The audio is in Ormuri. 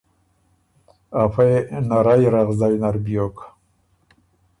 افۀ يې نرئ رغزئ نر بیوک